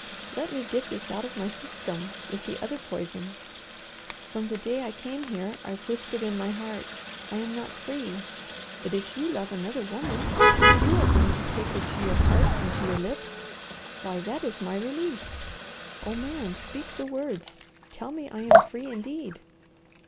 "Let me get this out of my system with the other poison. From the day I came here, I've whispered in my heart, 'I am not free!' But if you love another woman! If you are going to take her to your heart and to your lips, why that is my release. Oh Man, speak the words! Tell me I am free indeed!"